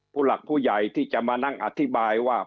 ผู้หลักผู้ใหญ่ที่จะมานั่งอธิบายว่า